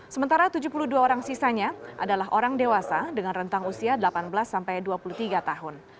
sementara tujuh puluh dua orang sisanya adalah orang dewasa dengan rentang usia delapan belas sampai dua puluh tiga tahun